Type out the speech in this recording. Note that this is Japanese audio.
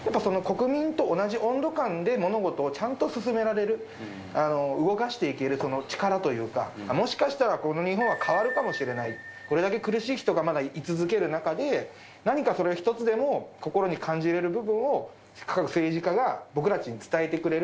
やっぱり国民と同じ温度感で物事をちゃんと進められる、動かしていけるその力というか、もしかしたらこの日本は変わるかもしれない、これだけ苦しい人がまだい続ける中で、何かそれを一つでも心に感じれる部分を、政治家が僕たちに伝えてくれる。